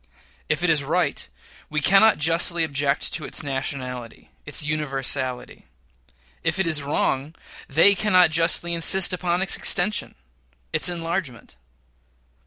If it is right, we cannot justly object to its nationality its universality; if it is wrong, they cannot justly insist upon its extension its enlargement.